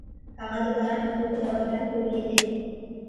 هغه د باران اوبه په یوه ډنډ کې ولیدې.